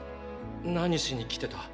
何しに来てた？